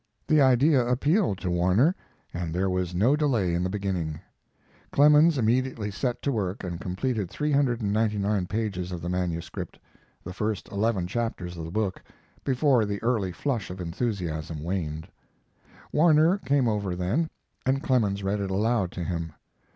The idea appealed to Warner, and there was no delay in the beginning. Clemens immediately set to work and completed 399 pages of the manuscript, the first eleven chapters of the book, before the early flush of enthusiasm waned. Warner came over then, and Clemens read it aloud to him.